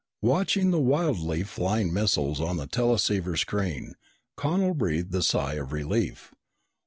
Watching the wildly flying missiles on the teleceiver screen, Connel breathed a sigh of relief.